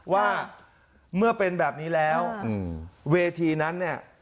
ว่าเมื่อเป็นแบบนี้แล้วเวทีนั้นเนี่ย